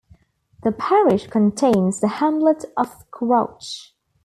The parish contains the hamlet of Crouch.